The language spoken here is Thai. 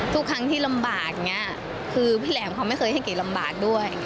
ทุกครั้งที่ลำบากคือพี่แหลมเขาไม่เคยให้เกรียดลำบากด้วย